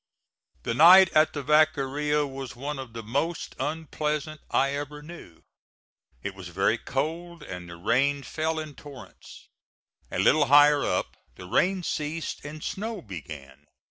The night at the Vaqueria was one of the most unpleasant I ever knew. It was very cold and the rain fell in torrents. A little higher up the rain ceased and snow began.